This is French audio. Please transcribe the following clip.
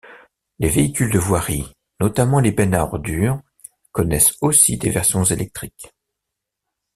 Les véhicules de voirie, notamment les bennes à ordures, connaissent aussi des versions électriques.